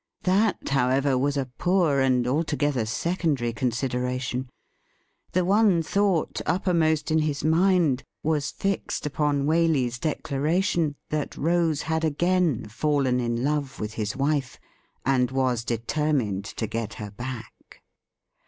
That, however, was a poor and altogether isecondary consideration. The one thought uppermost in WHAT WALEY DID WITH HIMSELF 255 his mind .was fixed upon Waley's declaration tiiat Rose had again fallen in love with his wife, and was determined to get her back.